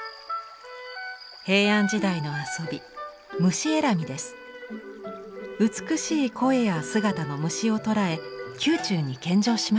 平安時代の遊び美しい声や姿の虫を捕らえ宮中に献上しました。